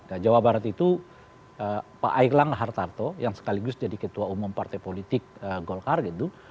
nah jawa barat itu pak eglang hartarto yang sekaligus jadi ketua umum partai politik golkar gitu